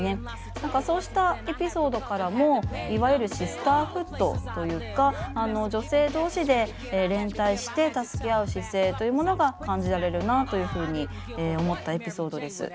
何かそうしたエピソードからもいわゆるシスターフッドというか女性同士で連帯して助け合う姿勢というものが感じられるなというふうに思ったエピソードです。